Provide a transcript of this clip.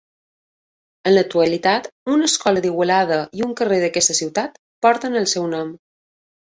En l'actualitat, una escola d'Igualada i un carrer d'aquesta ciutat porten el seu nom.